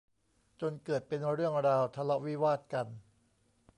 จนเกิดเป็นเรื่องราวทะเลาะวิวาทกัน